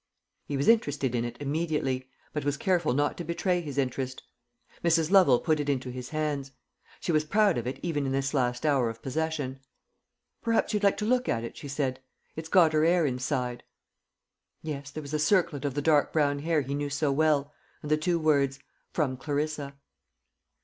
He was interested in it immediately, but was careful not to betray his interest. Mrs. Lovel put it into his hands. She was proud of it even in this last hour of possession. "Perhaps you'd like to look at it," she said. "It's got her 'air inside." Yes, there was a circlet of the dark brown hair he knew so well, and the two works, "From Clarissa."